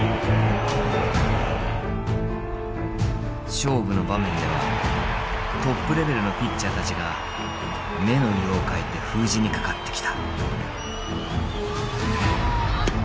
勝負の場面ではトップレベルのピッチャーたちが目の色を変えて封じにかかってきた。